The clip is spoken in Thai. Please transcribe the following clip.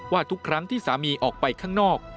ทุกครั้งที่สามีออกไปข้างนอก